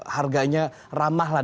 harganya ramah lah